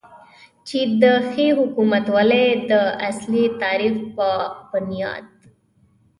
چې د ښې حکومتولې داصلي تعریف په بنیاد